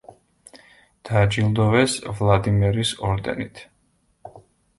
დააჯილდოვეს ვლადიმერის ორდენით.